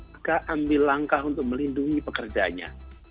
anda ambil langkah untuk melindungi pekerjaannya